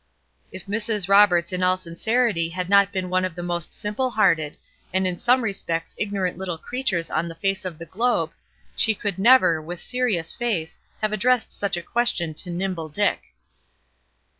If Mrs. Roberts in all sincerity had not been one of the most simple hearted, and in some respects ignorant little creatures on the face of the globe, she could never, with serious face, have addressed such a question to Nimble Dick.